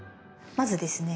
まずですね